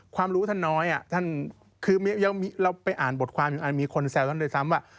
รู้ท่านน้อยท่านคือเราไปอ่านบทความอยู่อันมีคนแซวท่านด้วยซ้ำว่า